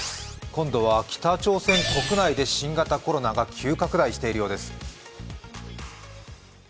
今度は、北朝鮮国内で新型コロナが急拡大しているようです。